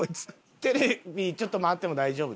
テレビちょっと回っても大丈夫ですか？